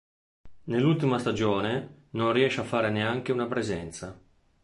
Nell'ultima stagione non riesce a fare neanche una presenza.